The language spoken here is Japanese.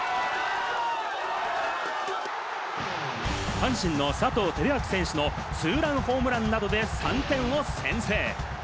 阪神の佐藤輝明選手の２ランホームランなどで、３点を先制。